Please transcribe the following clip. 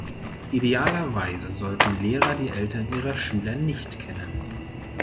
Idealerweise sollten Lehrer die Eltern ihrer Schüler nicht kennen.